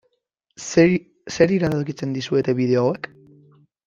Zer iradokitzen dizuete bideo hauek?